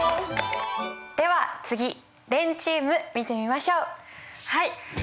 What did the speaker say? では次れんチーム見てみましょう。